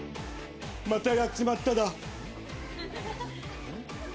またやっちまっただ。